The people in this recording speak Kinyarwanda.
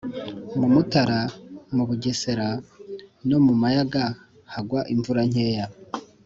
mu mutara, mu bugesera no mu mayaga hagwa imvura nkeya